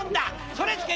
それ突け